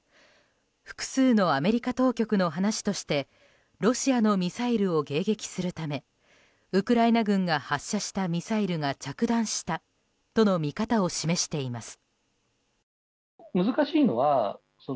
複数のアメリカ当局の話としてロシアのミサイルを迎撃するためウクライナ軍が発射したミサイルが着弾したとの見方を示しています。